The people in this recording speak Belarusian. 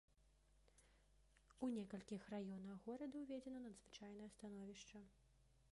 У некалькіх раёнах горада ўведзена надзвычайнае становішча.